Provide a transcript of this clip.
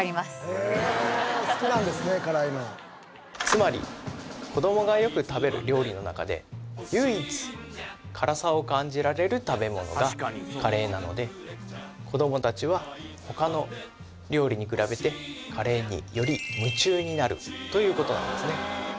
つまり子どもがよく食べる料理の中で唯一辛さを感じられる食べ物がカレーなので子どもたちは他の料理に比べてカレーにより夢中になるということなんですね